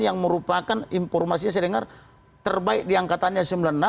yang merupakan informasinya terbaik di angkatannya sembilan puluh enam